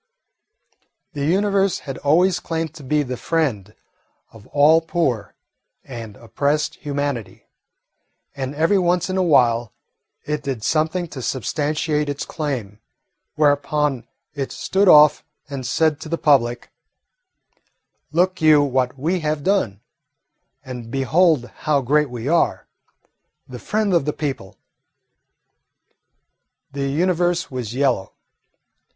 The Universe had always claimed to be the friend of all poor and oppressed humanity, and every once in a while it did something to substantiate its claim, whereupon it stood off and said to the public, "Look you what we have done, and behold how great we are, the friend of the people!" The Universe was yellow.